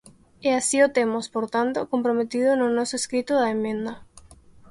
E así o temos, por tanto, comprometido no noso escrito da emenda.